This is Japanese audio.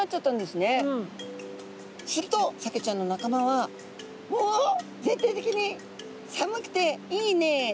するとサケちゃんの仲間は「おお！全体的に寒くていいね。